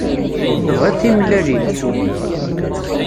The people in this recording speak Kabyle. Tebɣiḍ timellalin?